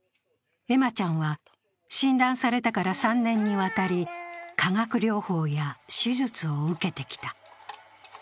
恵麻ちゃんは診断されてから３年にわたり化学療法や手術を受けてきた。